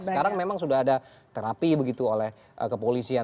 sekarang memang sudah ada terapi begitu oleh kepolisian